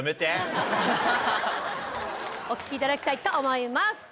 お聴きいただきたいと思います。